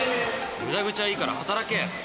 無駄口はいいから働けよ。